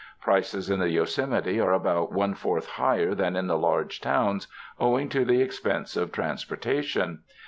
Prices in the Yosemite are about one fourth higher than in the large towns, owing to the expense of transporta tion.